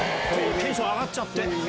テンション上がっちゃって。